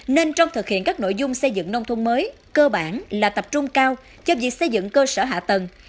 nên trong thực hiện các nội dung xây dựng nông thôn mới cơ bản là tập trung cao cho việc xây dựng cơ sở hạ tầng